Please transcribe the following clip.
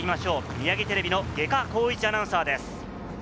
ミヤギテレビの外賀幸一アナウンサーです。